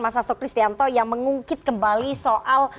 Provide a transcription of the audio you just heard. masa sokristianto yang mengungkit kembali soal